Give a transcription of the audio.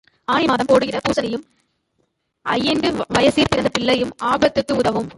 ஆனி மாதம் போடுகிற பூசணியும் ஐயைந்து வயசிற் பிறந்த பிள்ளையும் ஆபத்துக்கு உதவும்.